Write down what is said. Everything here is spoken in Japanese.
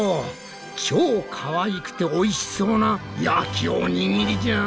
超かわいくておいしそうな焼きおにぎりじゃん。